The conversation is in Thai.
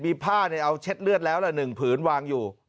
มีผ้าเอาเช็ดเลือดแล้วละ๑ผืนวางอยู่